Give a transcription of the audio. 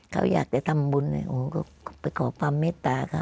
เขาอยากจะทำบุญก็ไปขอความเมตตาเขา